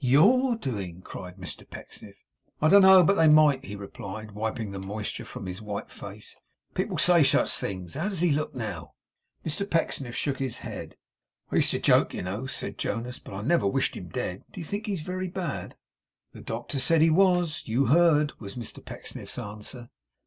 'YOUR doing!' cried Mr Pecksniff. 'I don't know but they might,' he replied, wiping the moisture from his white face. 'People say such things. How does he look now?' Mr Pecksniff shook his head. 'I used to joke, you know,' said. Jonas: 'but I I never wished him dead. Do you think he's very bad?' 'The doctor said he was. You heard,' was Mr Pecksniff's answer.